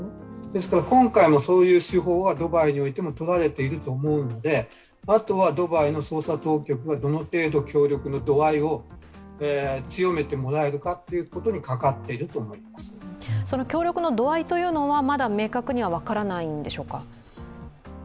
ですから今回もそういう手法はドバイにおいてもとられていると思うので、あとはドバイの捜査当局がどの程度、協力の度合いを強めてもらえるかということに協力の度合いというのはまだ明確には分からないんでしょうか？